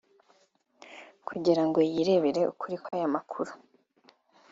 kugira ngo yirebere ukuri kw’aya makuru